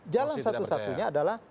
jalan satu satunya adalah